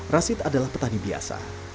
rasid adalah petani biasa